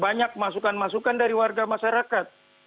banyak masukan masukan dari warga masyarakat